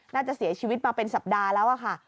น่าจะเสียชีวิตมาเป็นสัปดาห์แล้วค่ะ